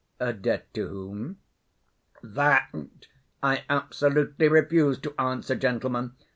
"A debt to whom?" "That I absolutely refuse to answer, gentlemen.